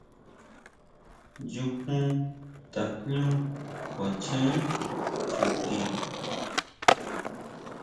Nyujun tajñú kuachen chuti.